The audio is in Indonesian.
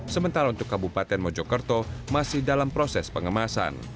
sementara untuk kabupaten mojokerto masih dalam proses pengemasan